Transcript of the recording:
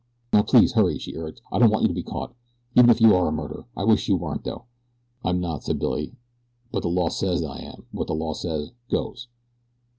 "Now please hurry," she urged. "I don't want you to be caught even if you are a murderer. I wish you weren't though." "I'm not," said Billy; "but de law says I am an' what de law says, goes."